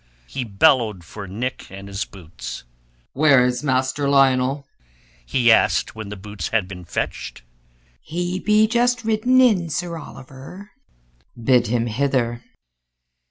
He bellowed for Nick and his boots. "Where is Master Lionel? he asked when the boots had been fetched. "He be just ridden in, Sir Oliver." "Bid him hither."